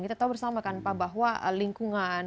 kita tahu bersama kan pak bahwa lingkungan